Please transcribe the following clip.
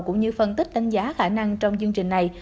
cũng như phân tích đánh giá khả năng trong chương trình này